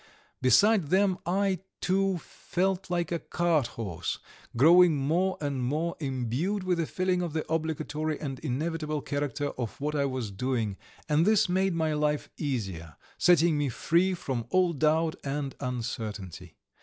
Beside them I, too, felt like a cart horse, growing more and more imbued with the feeling of the obligatory and inevitable character of what I was doing, and this made my life easier, setting me free from all doubt and uncertainty.